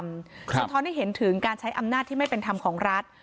สะท้อนให้เห็นถึงการใช้อำนาจที่ไม่เป็นธรรมของรัฐ